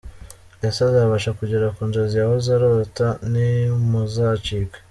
Ese azabasha kugera ku nzozi yahoze arota? Ntimuzacikwe.